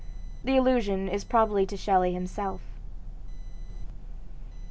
The allusion is probably to Shelley himself.